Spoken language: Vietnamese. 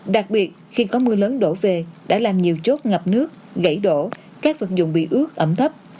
đặc biệt khi có mưa lớn đổ về đã làm nhiều chốt ngập nước gãy đổ các vật dụng bị ướt ẩm thấp